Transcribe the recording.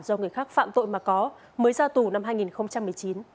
do người khác phạm tội mà có mới ra tù năm hai nghìn một mươi chín